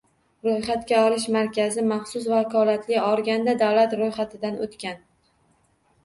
Ro‘yxatga olish markazi maxsus vakolatli organda davlat ro‘yxatidan o‘tgan